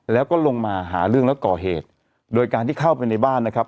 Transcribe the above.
แล้วก็ลงมาหาเรื่องแล้วก่อเหตุโดยการที่เข้าไปในบ้านนะครับ